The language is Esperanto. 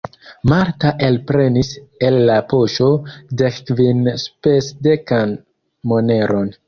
Marta elprenis el la poŝo dekkvinspesdekan moneron.